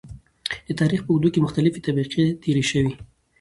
د تاريخ په اوږدو کې مختلفې طبقې تېرې شوي .